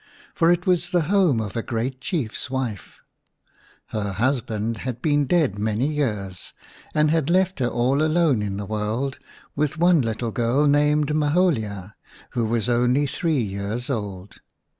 For it was the home of a great Chiefs wife. Her husband had been dead many years, and 32 iv The Shining Princess had left her all alone in the world with one little girl named Maholia, who was only three years old.